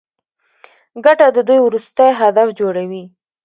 ګټه د دوی وروستی هدف جوړوي